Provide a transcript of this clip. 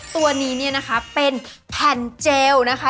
ตัวนี้เนี่ยนะคะเป็นแผ่นเจลนะคะ